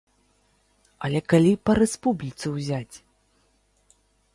Але калі па рэспубліцы ўзяць!